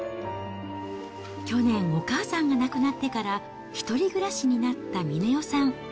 去年、お母さんが亡くなってから１人暮らしになった峰代さん。